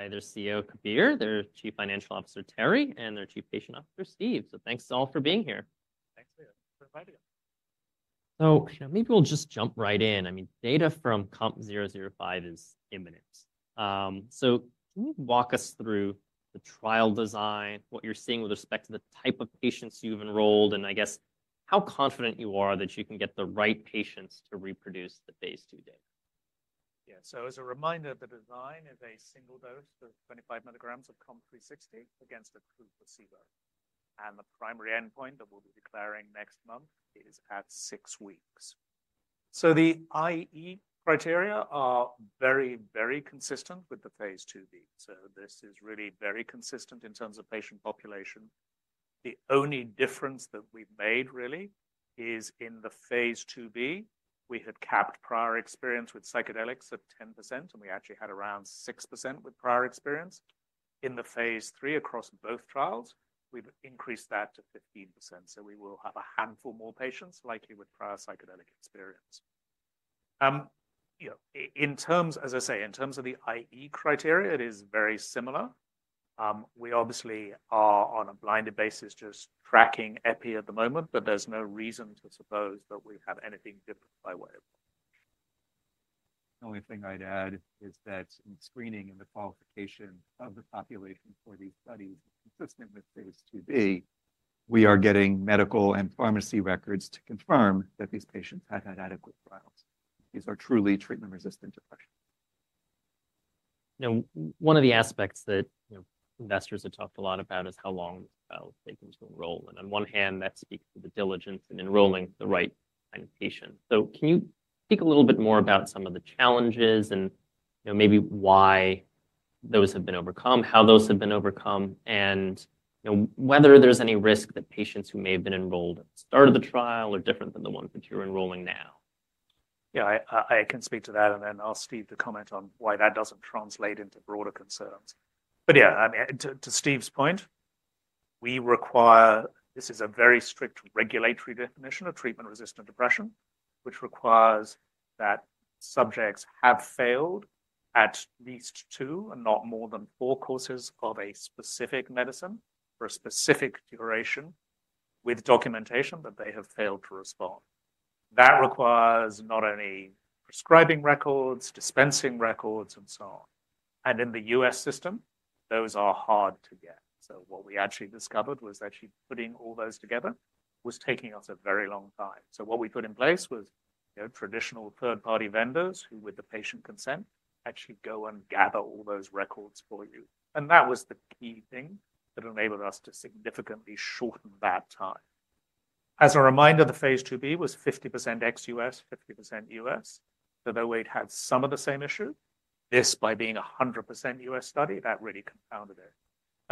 By their CEO, Kabir, their Chief Financial Officer, Teri, and their Chief Patient Officer, Steve. Thanks to all for being here. Thanks for inviting us. Maybe we'll just jump right in. I mean, data from COMP005 is imminent. Can you walk us through the trial design, what you're seeing with respect to the type of patients you've enrolled, and I guess how confident you are that you can get the right patients to reproduce the phase two data? Yeah. As a reminder, the design is a single dose of 25 milligrams of COMP360 against a true placebo. The primary endpoint that we'll be declaring next month is at six weeks. The IE criteria are very, very consistent with the Phase 2b. This is really very consistent in terms of patient population. The only difference that we've made really is in the Phase 2b, we had capped prior experience with psychedelics at 10%, and we actually had around 6% with prior experience. In the Phase 3 across both trials, we've increased that to 15%. We will have a handful more patients likely with prior psychedelic experience. In terms, as I say, in terms of the IE criteria, it is very similar. We obviously are on a blinded basis just tracking EPI at the moment, but there's no reason to suppose that we have anything different by way of. The only thing I'd add is that in screening and the qualification of the population for these studies, consistent with Phase 2b, we are getting medical and pharmacy records to confirm that these patients have had adequate trials. These are truly treatment-resistant depression. Now, one of the aspects that investors have talked a lot about is how long it's taken to enroll. On one hand, that speaks to the diligence in enrolling the right kind of patient. Can you speak a little bit more about some of the challenges and maybe why those have been overcome, how those have been overcome, and whether there's any risk that patients who may have been enrolled at the start of the trial are different than the ones that you're enrolling now? Yeah, I can speak to that, and then I'll steer the comment on why that doesn't translate into broader concerns. Yeah, I mean, to Steve's point, we require this is a very strict regulatory definition of treatment-resistant depression, which requires that subjects have failed at least two and not more than four courses of a specific medicine for a specific duration with documentation that they have failed to respond. That requires not only prescribing records, dispensing records, and so on. In the U.S. system, those are hard to get. What we actually discovered was actually putting all those together was taking us a very long time. What we put in place was traditional third-party vendors who, with the patient consent, actually go and gather all those records for you. That was the key thing that enabled us to significantly shorten that time. As a reminder, the Phase 2b was 50% ex-U.S., 50% U.S. Though we'd had some of the same issues, this by being a 100% U.S. study, that really compounded it.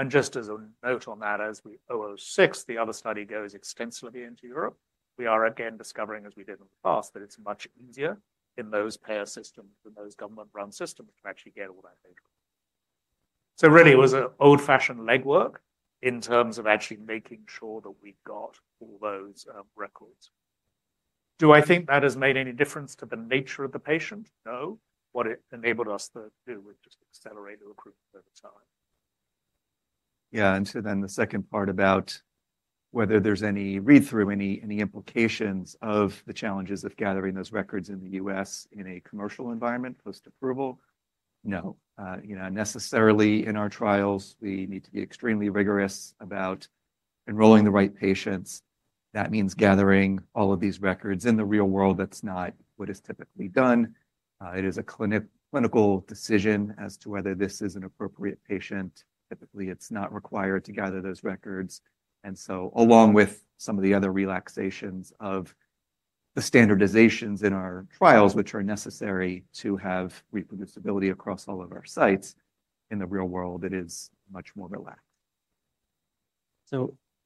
Just as a note on that, as we 006, the other study, goes extensively into Europe, we are again discovering, as we did in the past, that it's much easier in those payer systems and those government-run systems to actually get all that data. It was really old-fashioned legwork in terms of actually making sure that we got all those records. Do I think that has made any difference to the nature of the patient? No. What it enabled us to do was just accelerate recruitment over time. Yeah. And so then the second part about whether there's any read-through, any implications of the challenges of gathering those records in the U.S. in a commercial environment post-approval? No. Necessarily in our trials, we need to be extremely rigorous about enrolling the right patients. That means gathering all of these records. In the real world, that's not what is typically done. It is a clinical decision as to whether this is an appropriate patient. Typically, it's not required to gather those records. And so along with some of the other relaxations of the standardizations in our trials, which are necessary to have reproducibility across all of our sites, in the real world, it is much more relaxed.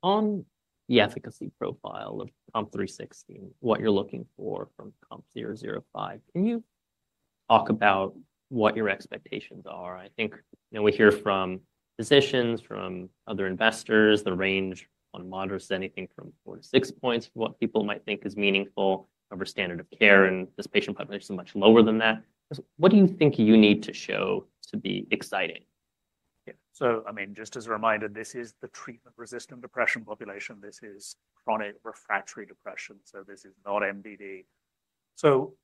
On the efficacy profile of COMP360, what you're looking for from COMP005, can you talk about what your expectations are? I think we hear from physicians, from other investors, the range on moderates to anything from four to six points for what people might think is meaningful over standard of care. In this patient population, it is much lower than that. What do you think you need to show to be exciting? Yeah. So I mean, just as a reminder, this is the treatment-resistant depression population. This is chronic refractory depression. So this is not MDD. So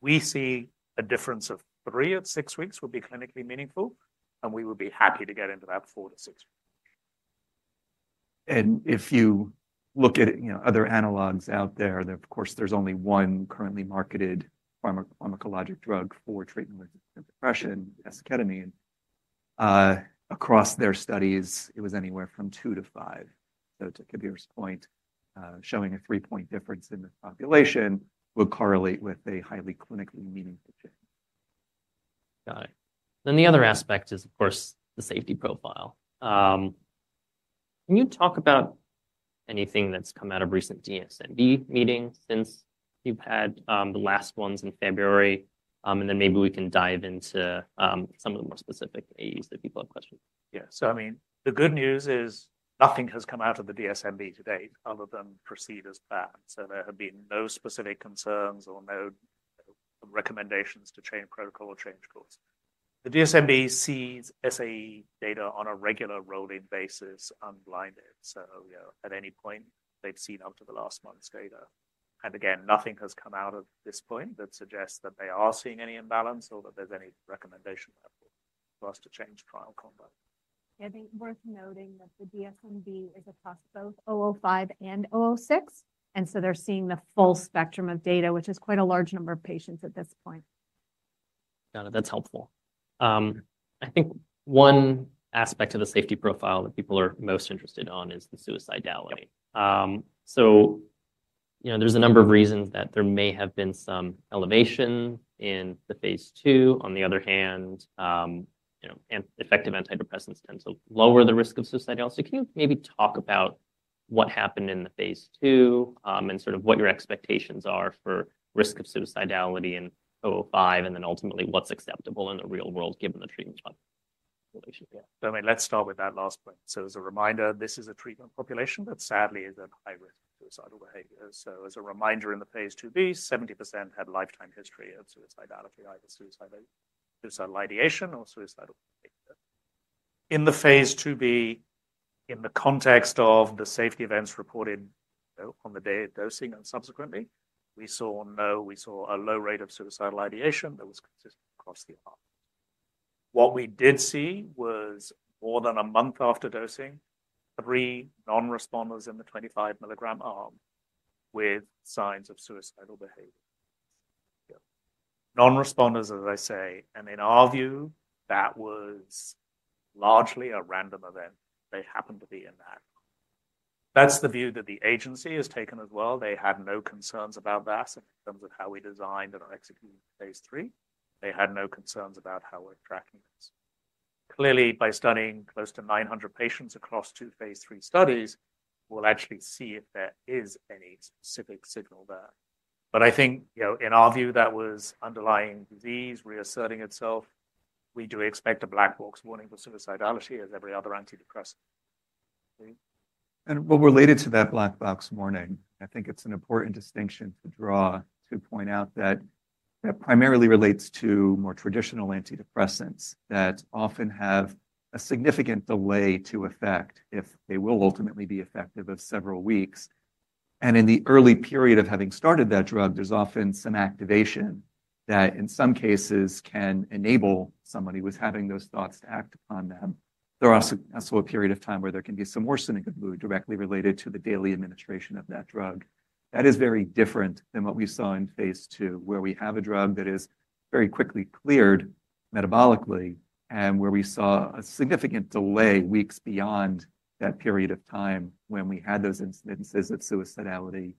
we see a difference of 3 at 6 weeks would be clinically meaningful, and we would be happy to get into that 4-6 weeks. If you look at other analogs out there, of course, there's only one currently marketed pharmacologic drug for treatment-resistant depression, esketamine. Across their studies, it was anywhere from two to five. To Kabir's point, showing a three-point difference in the population would correlate with a highly clinically meaningful change. Got it. The other aspect is, of course, the safety profile. Can you talk about anything that's come out of recent DSMB meetings since you've had the last ones in February? Maybe we can dive into some of the more specific AEs that people have questions. Yeah. I mean, the good news is nothing has come out of the DSMB to date other than proceed as planned. There have been no specific concerns or no recommendations to change protocol or change course. The DSMB sees SAE data on a regular rolling basis unblinded. At any point, they've seen up to the last month's data. Again, nothing has come out at this point that suggests that they are seeing any imbalance or that there's any recommendation level for us to change trial combat. Yeah, I think worth noting that the DSMB is across both 005 and 006. They are seeing the full spectrum of data, which is quite a large number of patients at this point. Got it. That's helpful. I think one aspect of the safety profile that people are most interested in is the suicidality. There's a number of reasons that there may have been some elevation in the phase two. On the other hand, effective antidepressants tend to lower the risk of suicidality. Can you maybe talk about what happened in the phase two and sort of what your expectations are for risk of suicidality in 005 and then ultimately what's acceptable in the real world given the treatment population. Let's start with that last point. As a reminder, this is a treatment population that sadly is at high risk of suicidal behavior. As a reminder, in the Phase 2b, 70% had lifetime history of suicidality, either suicidal ideation or suicidal behavior. In the Phase 2b, in the context of the safety events reported on the day of dosing and subsequently, we saw a low rate of suicidal ideation that was consistent across the arm. What we did see was more than a month after dosing, three non-responders in the 25 mg arm with signs of suicidal behavior. Non-responders, as I say, and in our view, that was largely a random event. They happened to be in that. That's the view that the agency has taken as well. They had no concerns about that in terms of how we designed and executed phase three. They had no concerns about how we're tracking this. Clearly, by studying close to 900 patients across two phase three studies, we'll actually see if there is any specific signal there. I think in our view, that was underlying disease reasserting itself. We do expect a black box warning for suicidality as every other antidepressant. What related to that black box warning, I think it's an important distinction to draw to point out that that primarily relates to more traditional antidepressants that often have a significant delay to effect if they will ultimately be effective of several weeks. In the early period of having started that drug, there's often some activation that in some cases can enable somebody who was having those thoughts to act upon them. There are also a period of time where there can be some worsening of mood directly related to the daily administration of that drug. That is very different than what we saw in phase two, where we have a drug that is very quickly cleared metabolically and where we saw a significant delay weeks beyond that period of time when we had those incidences of suicidality,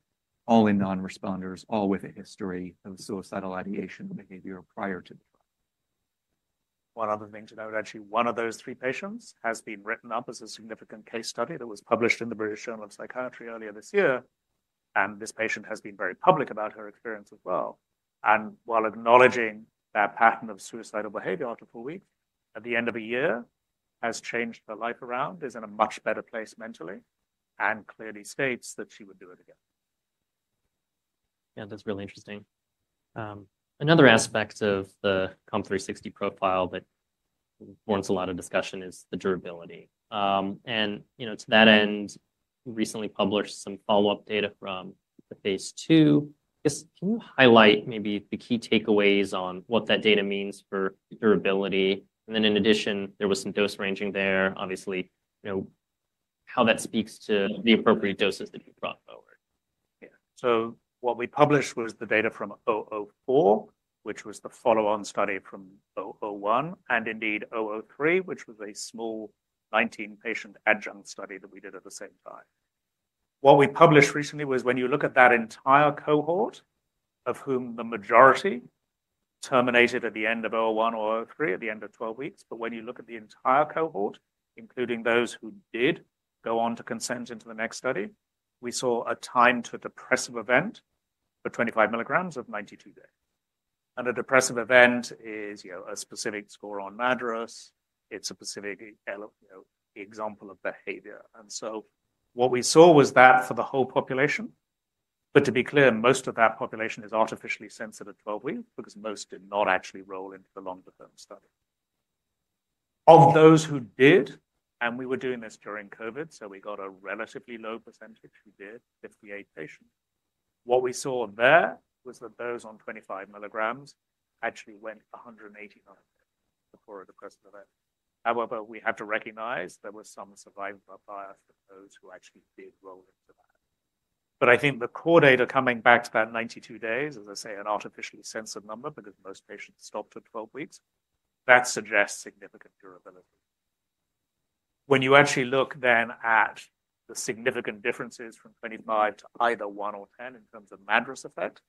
all in non-responders, all with a history of suicidal ideation or behavior prior to the drug. One other thing to note actually, one of those three patients has been written up as a significant case study that was published in the British Journal of Psychiatry earlier this year. This patient has been very public about her experience as well. While acknowledging that pattern of suicidal behavior after four weeks, at the end of a year, has changed her life around, is in a much better place mentally, and clearly states that she would do it again. Yeah, that's really interesting. Another aspect of the COMP360 profile that warrants a lot of discussion is the durability. To that end, we recently published some follow-up data from the phase two. Can you highlight maybe the key takeaways on what that data means for durability? In addition, there was some dose ranging there, obviously, how that speaks to the appropriate doses that you brought forward. Yeah. What we published was the data from 004, which was the follow-on study from 001, and indeed 003, which was a small 19-patient adjunct study that we did at the same time. What we published recently was when you look at that entire cohort of whom the majority terminated at the end of 001 or 003 at the end of 12 weeks, when you look at the entire cohort, including those who did go on to consent into the next study, we saw a time to depressive event for 25 milligrams of 92 days. A depressive event is a specific score on MADRS. It is a specific example of behavior. What we saw was that for the whole population. To be clear, most of that population is artificially sensitive at 12 weeks because most did not actually roll into the longer-term study. Of those who did, and we were doing this during COVID, so we got a relatively low percentage who did, 58 patients. What we saw there was that those on 25 milligrams actually went 189 before a depressive event. However, we had to recognize there was some survival bias for those who actually did roll into that. I think the core data coming back to that 92 days, as I say, an artificially sensitive number because most patients stopped at 12 weeks, that suggests significant durability. When you actually look then at the significant differences from 25 to either 1 or 10 in terms of MADRS effect,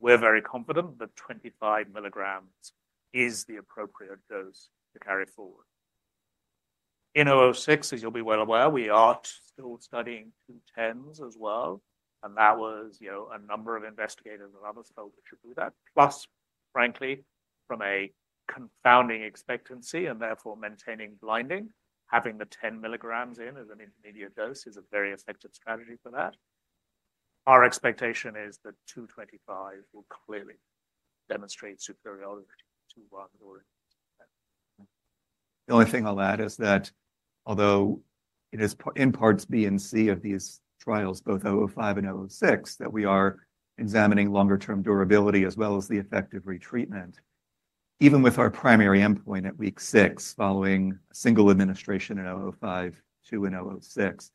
we're very confident that 25 milligrams is the appropriate dose to carry forward. In 006, as you'll be well aware, we are still studying two tens as well. That was a number of investigators and others felt we should do that. Plus, frankly, from a confounding expectancy and therefore maintaining blinding, having the 10 mg in as an intermediate dose is a very effective strategy for that. Our expectation is that 25 will clearly demonstrate superiority to 1 or. The only thing I'll add is that although it is in parts B and C of these trials, both 005 and 006, that we are examining longer-term durability as well as the effective retreatment, even with our primary endpoint at week six following single administration in 005, two in 006,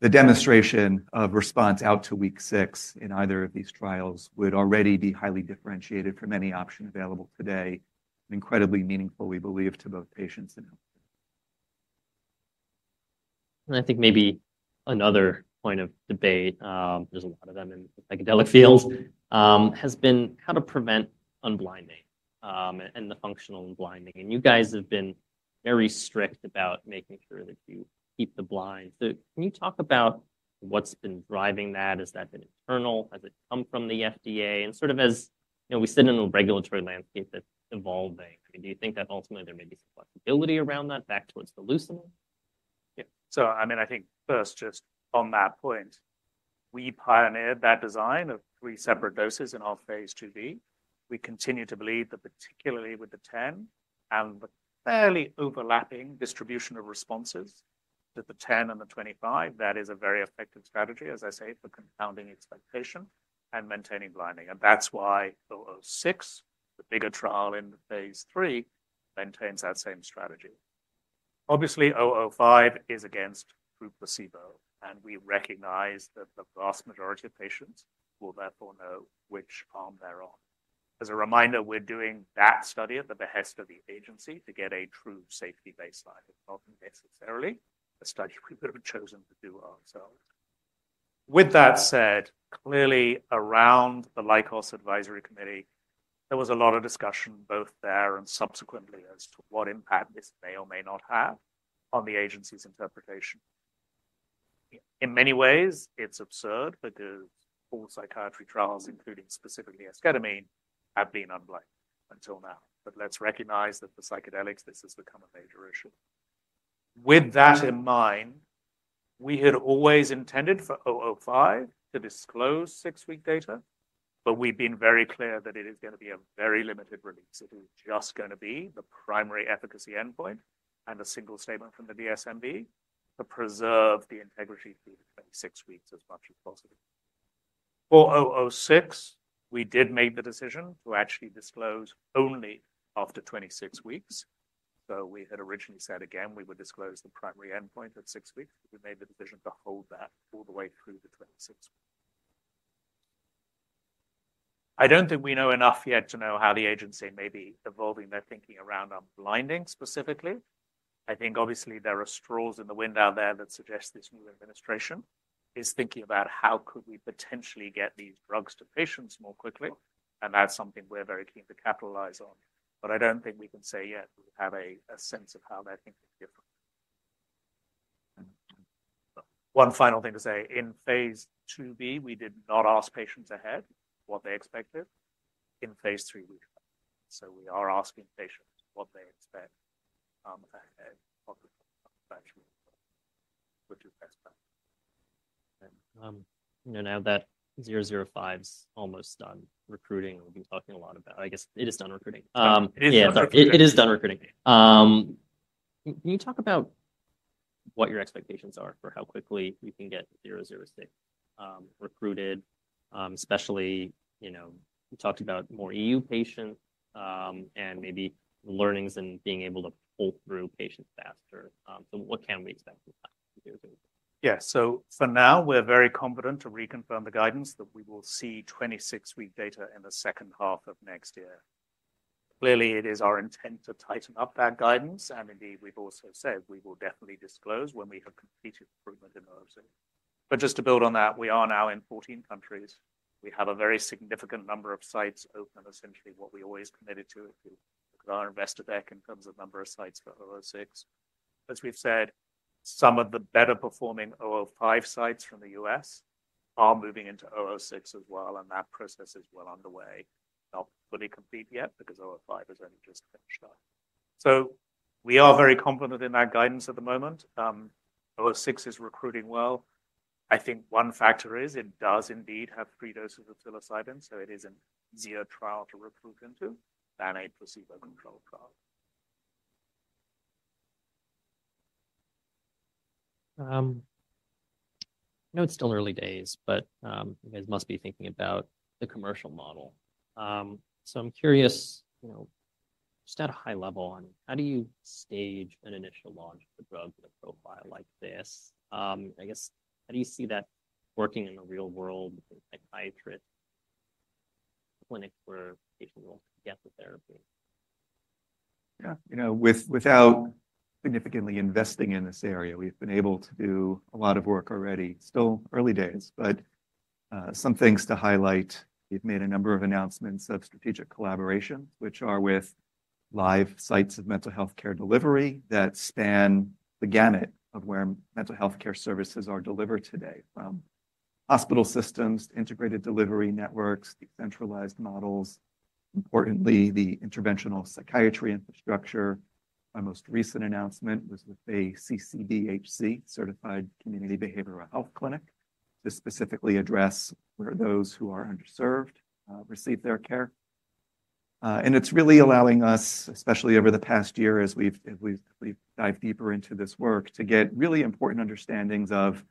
the demonstration of response out to week six in either of these trials would already be highly differentiated from any option available today, incredibly meaningful, we believe, to both patients and. I think maybe another point of debate, there's a lot of them in the psychedelic fields, has been how to prevent unblinding and the functional unblinding. You guys have been very strict about making sure that you keep the blind. Can you talk about what's been driving that? Has that been internal? Has it come from the FDA? As we sit in a regulatory landscape that's evolving, do you think that ultimately there may be some flexibility around that back towards the leucine? Yeah. I mean, I think first just on that point, we pioneered that design of three separate doses in our Phase 2b. We continue to believe that particularly with the 10 and the fairly overlapping distribution of responses to the 10 and the 25, that is a very effective strategy, as I say, for confounding expectation and maintaining blinding. That is why 006, the bigger trial in Phase 3, maintains that same strategy. Obviously, 005 is against true placebo. We recognize that the vast majority of patients will therefore know which arm they're on. As a reminder, we're doing that study at the behest of the agency to get a true safety baseline. It's not necessarily a study we would have chosen to do ourselves. With that said, clearly around the Lycos Advisory Committee, there was a lot of discussion both there and subsequently as to what impact this may or may not have on the agency's interpretation. In many ways, it's absurd because all psychiatry trials, including specifically esketamine, have been unblinded until now. But let's recognize that for psychedelics, this has become a major issue. With that in mind, we had always intended for 005 to disclose six-week data, but we've been very clear that it is going to be a very limited release. It is just going to be the primary efficacy endpoint and a single statement from the DSMB to preserve the integrity for the 26 weeks as much as possible. For 006, we did make the decision to actually disclose only after 26 weeks. So we had originally said again we would disclose the primary endpoint at six weeks. We made the decision to hold that all the way through the 26 weeks. I don't think we know enough yet to know how the agency may be evolving their thinking around unblinding specifically. I think obviously there are straws in the wind out there that suggest this new administration is thinking about how could we potentially get these drugs to patients more quickly. That is something we're very keen to capitalize on. I don't think we can say yet we have a sense of how that thing is different. One final thing to say, in Phase 2b, we did not ask patients ahead what they expected. In Phase 3, we have. We are asking patients what they expect ahead of the actual approach. Now that 005 is almost done recruiting, we've been talking a lot about, I guess it is done recruiting. It is done recruiting. Can you talk about what your expectations are for how quickly we can get 006 recruited, especially you talked about more EU patients and maybe learnings and being able to pull through patients faster? What can we expect from that? Yeah, so for now, we're very confident to reconfirm the guidance that we will see 26-week data in the second half of next year. Clearly, it is our intent to tighten up that guidance. Indeed, we've also said we will definitely disclose when we have completed improvement in 006. Just to build on that, we are now in 14 countries. We have a very significant number of sites open, essentially what we always committed to if you look at our investor deck in terms of number of sites for 006. As we've said, some of the better performing 005 sites from the U.S. are moving into 006 as well. That process is well underway. Not fully complete yet because 005 has only just finished up. We are very confident in that guidance at the moment. 006 is recruiting well. I think one factor is it does indeed have three doses of psilocybin. It is an easier trial to recruit into than a placebo-controlled trial. I know it's still early days, but you guys must be thinking about the commercial model. I'm curious, just at a high level, how do you stage an initial launch of the drug with a profile like this? I guess, how do you see that working in the real world with a psychiatrist, clinic where patients will get the therapy? Yeah, you know, without significantly investing in this area, we've been able to do a lot of work already. Still early days, but some things to highlight. We've made a number of announcements of strategic collaborations, which are with live sites of mental health care delivery that span the gamut of where mental health care services are delivered today from hospital systems, integrated delivery networks, decentralized models. Importantly, the interventional psychiatry infrastructure. Our most recent announcement was with a CCBHC, Certified Community Behavioral Health Clinic, to specifically address where those who are underserved receive their care. It's really allowing us, especially over the past year as we've dived deeper into this work, to get really important understandings of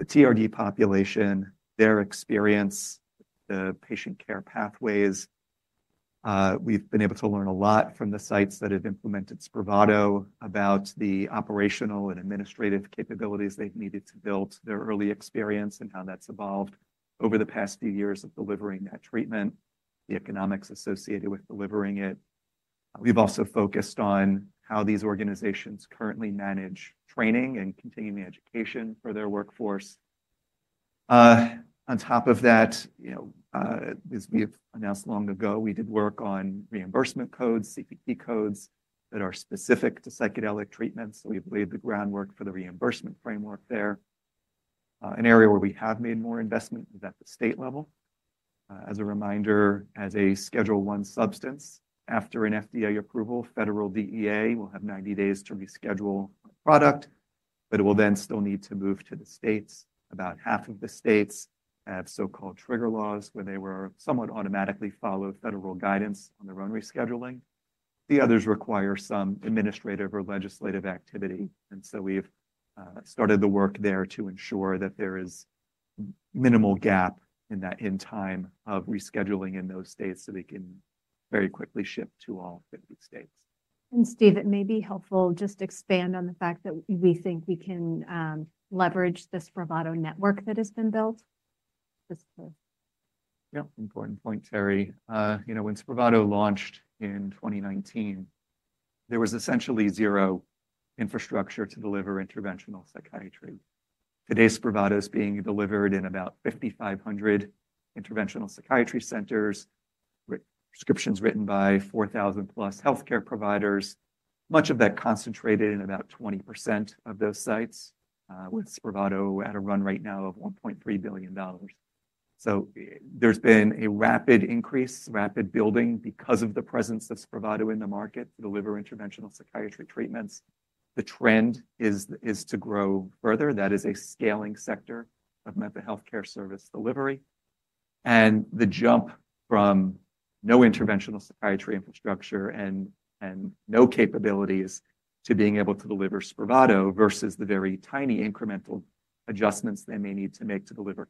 the TRD population, their experience, the patient care pathways. We've been able to learn a lot from the sites that have implemented Spravato about the operational and administrative capabilities they've needed to build their early experience and how that's evolved over the past few years of delivering that treatment, the economics associated with delivering it. We've also focused on how these organizations currently manage training and continuing education for their workforce. On top of that, as we've announced long ago, we did work on reimbursement codes, CPT codes that are specific to psychedelic treatments. We've laid the groundwork for the reimbursement framework there. An area where we have made more investment is at the state level. As a reminder, as a Schedule I substance, after an FDA approval, federal DEA will have 90 days to reschedule a product, but it will then still need to move to the states. About half of the states have so-called trigger laws where they would somewhat automatically follow federal guidance on their own rescheduling. The others require some administrative or legislative activity. We have started the work there to ensure that there is minimal gap in that in time of rescheduling in those states so they can very quickly shift to all 50 states. Steve, it may be helpful just to expand on the fact that we think we can leverage the Spravato network that has been built. Yeah, important point, Teri. When Spravato launched in 2019, there was essentially zero infrastructure to deliver interventional psychiatry. Today, Spravato is being delivered in about 5,500 interventional psychiatry centers, prescriptions written by 4,000 plus healthcare providers. Much of that concentrated in about 20% of those sites, with Spravato at a run right now of GBP 1.3 billion. There has been a rapid increase, rapid building because of the presence of Spravato in the market to deliver interventional psychiatry treatments. The trend is to grow further. That is a scaling sector of mental health care service delivery. The jump from no interventional psychiatry infrastructure and no capabilities to being able to deliver Spravato versus the very tiny incremental adjustments they may need to make to deliver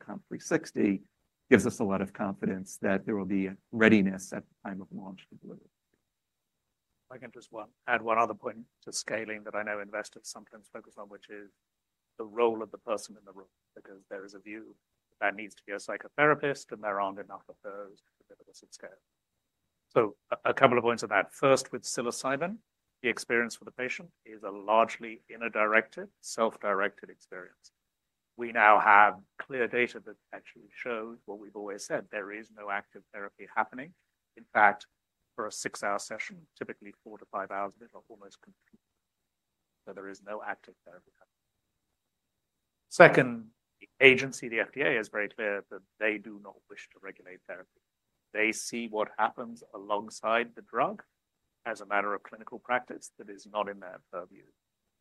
COMP360 gives us a lot of confidence that there will be readiness at the time of launch to deliver. I can just add one other point to scaling that I know investors sometimes focus on, which is the role of the person in the room because there is a view that needs to be a psychotherapist and there aren't enough of those to deliver subscale. A couple of points on that. First, with Psilocybin, the experience for the patient is a largely inner-directed, self-directed experience. We now have clear data that actually shows what we've always said. There is no active therapy happening. In fact, for a six-hour session, typically four to five hours of it are almost complete. There is no active therapy happening. Second, the agency, the FDA, is very clear that they do not wish to regulate therapy. They see what happens alongside the drug as a matter of clinical practice that is not in their purview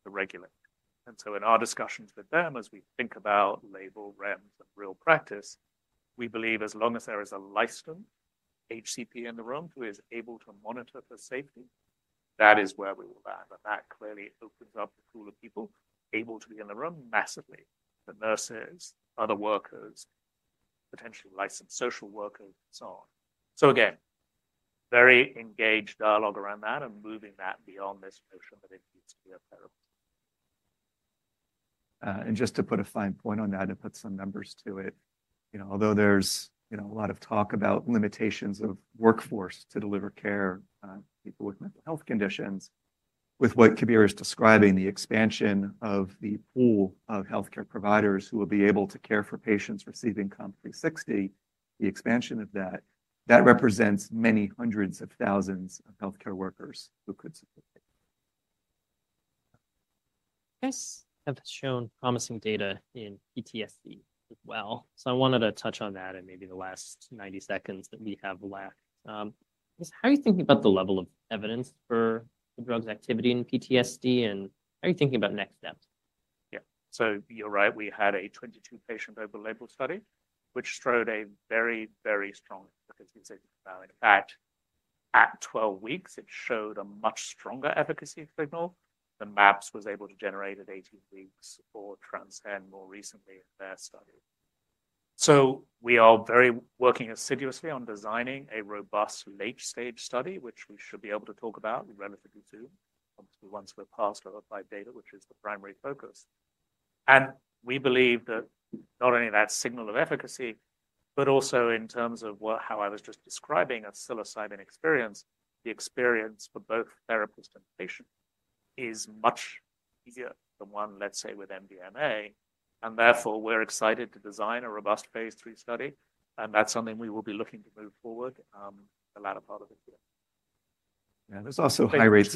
to regulate. In our discussions with them, as we think about label, REMS, and real practice, we believe as long as there is a licensed HCP in the room who is able to monitor for safety, that is where we will land. That clearly opens up the pool of people able to be in the room massively. The nurses, other workers, potentially licensed social workers, and so on. Again, very engaged dialogue around that and moving that beyond this notion that it needs to be a therapy. Just to put a fine point on that and put some numbers to it, although there's a lot of talk about limitations of workforce to deliver care to people with mental health conditions, with what Kabir is describing, the expansion of the pool of healthcare providers who will be able to care for patients receiving COMP360, the expansion of that, that represents many hundreds of thousands of healthcare workers who could support. Guests have shown promising data in PTSD as well. I wanted to touch on that in maybe the last 90 seconds that we have left. How are you thinking about the level of evidence for the drug's activity in PTSD? How are you thinking about next steps? Yeah, so you're right. We had a 22-patient over-label study, which showed a very, very strong efficacy signal value. In fact, at 12 weeks, it showed a much stronger efficacy signal than MAPS was able to generate at 18 weeks or Transcend more recently in their study. We are very working assiduously on designing a robust late-stage study, which we should be able to talk about relatively soon, obviously once we're past 005 data, which is the primary focus. We believe that not only that signal of efficacy, but also in terms of how I was just describing a psilocybin experience, the experience for both therapist and patient is much easier than one, let's say, with MDMA. Therefore, we're excited to design a robust Phase 3 study. That's something we will be looking to move forward the latter part of the year. Yeah, there's also high rates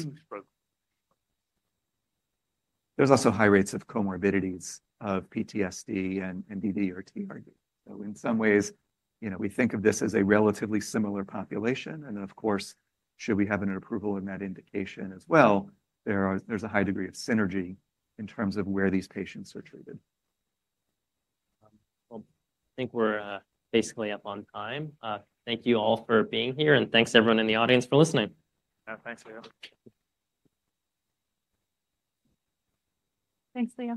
of comorbidities of PTSD and DD or TRD. In some ways, we think of this as a relatively similar population. Of course, should we have an approval in that indication as well, there's a high degree of synergy in terms of where these patients are treated. I think we're basically up on time. Thank you all for being here. Thank you everyone in the audience for listening. Yeah, thanks, Leon. Thanks, Leon.